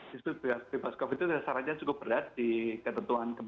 diseput bebas covid itu secara syaratnya cukup berat di ketentuan kepentingan